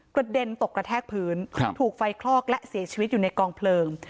กระเด็นตกกระแทกพื้นถูกไฟคลอกและเสียชีวิตอยู่ในกองเพลิง